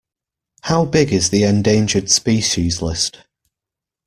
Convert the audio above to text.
How big is the Endangered Species List?